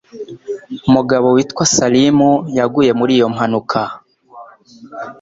Umugabo witwa Slim yaguye muri iyo mpanuka.